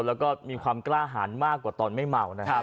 แล้วก็มีความกล้าหารมากกว่าตอนไม่เมานะครับ